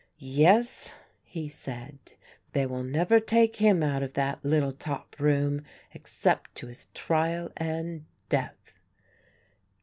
"Yes," he said, "they will never take him out of that little top room except to his trial and death."